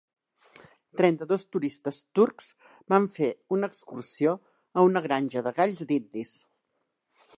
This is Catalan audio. Trenta-dos turistes turcs van fer una excursió a una granja de galls dindis.